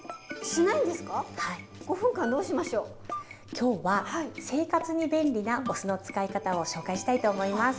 今日は生活に便利なお酢の使い方を紹介したいと思います。